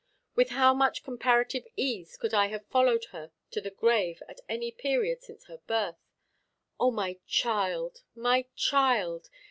With how much comparative ease could I have followed her to the grave at any period since her birth! O, my child, my child!